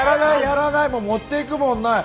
もう持っていくもんない。